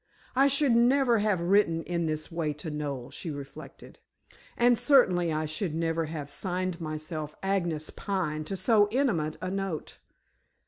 "I should never have written in this way to Noel," she reflected. "And certainly I should never have signed myself 'Agnes Pine' to so intimate a note.